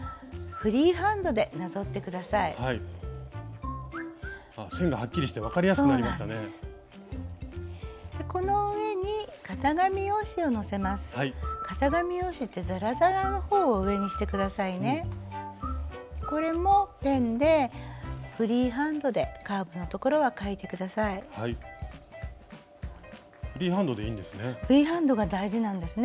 フリーハンドでいいんですね。